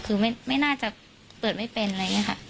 คือไม่น่าจะเปิดไม่เป็นอะไรอย่างนี้ค่ะ